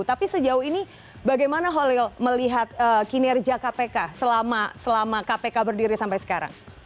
tapi sejauh ini bagaimana holil melihat kinerja kpk selama kpk berdiri sampai sekarang